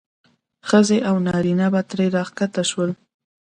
ښځې او نارینه به ترې راښکته شول.